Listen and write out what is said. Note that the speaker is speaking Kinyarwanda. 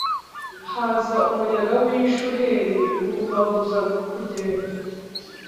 haza umuyaga w ishuheri ububabuza kugenda